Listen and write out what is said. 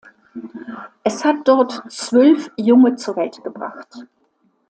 Es hat dort zwölf Junge zur Welt gebracht.